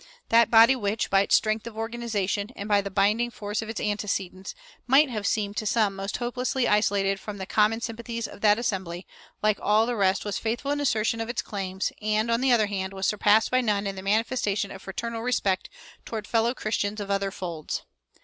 That body which, by its strength of organization, and by the binding force of its antecedents, might have seemed to some most hopelessly isolated from the common sympathies of the assembly, like all the rest was faithful in the assertion of its claims, and, on the other hand, was surpassed by none in the manifestation of fraternal respect toward fellow Christians of other folds.